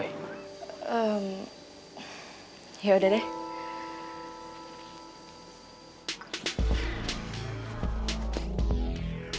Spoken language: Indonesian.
ehm yaudah deh